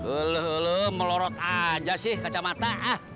oleh oleh melorot aja sih kacamata